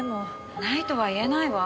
ないとは言えないわ。